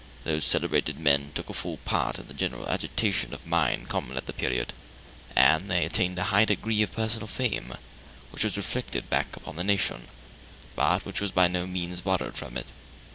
Those celebrated men took a full part in the general agitation of mind common at that period, and they attained a high degree of personal fame, which was reflected back upon the nation, but which was by no means borrowed from it.